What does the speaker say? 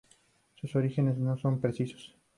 Sus orígenes no son precisos.